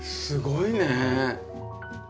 すごいね！